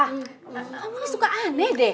kamu suka aneh deh